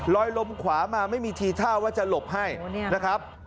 ลมขวามาไม่มีทีท่าว่าจะหลบให้นะครับ